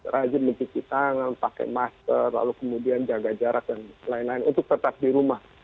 rajin mencuci tangan pakai masker lalu kemudian jaga jarak dan lain lain untuk tetap di rumah